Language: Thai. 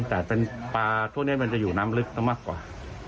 แต่เป็นปลาพวกนี้มันจะอยู่น้ำลึกมากกว่า